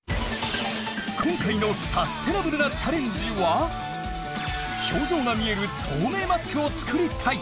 今回のサステナブルなチャレンジは表情が見える透明マスクを作りたい！